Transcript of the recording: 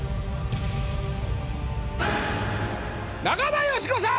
中田喜子さん！